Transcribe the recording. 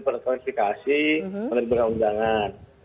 persoalifikasi menerima keundangan